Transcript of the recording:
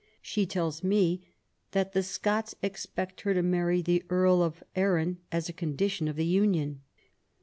She tells me that the Scots expect her to marry the Earl of Arran as a condition of the union.